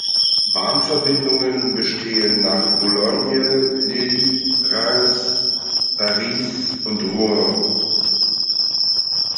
Bahnverbindungen bestehen nach Boulogne, Lille, Reims, Paris und Rouen.